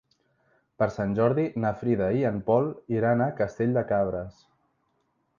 Per Sant Jordi na Frida i en Pol iran a Castell de Cabres.